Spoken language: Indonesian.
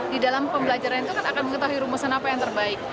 di dalam pembelajaran itu kan akan mengetahui rumusan apa yang terbaik